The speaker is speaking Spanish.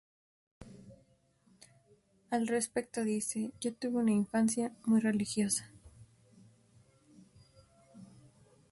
Al respecto dice: "Yo tuve una infancia muy religiosa.